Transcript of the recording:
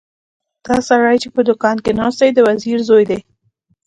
دا سړی چې په دوکان کې ناست دی د وزیر زوی دی.